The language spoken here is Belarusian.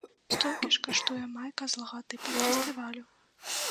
Столькі ж каштуе майка з лагатыпам фестывалю.